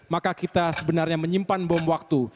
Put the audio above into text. maka kita sebenarnya menyimpan bom waktu